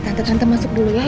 tante tante masuk dulu ya